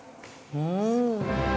うん！